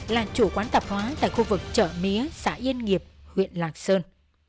là chủ quán tạp hóa tại khu vực chợ mía xã yên nghiệp huyện lạc sơn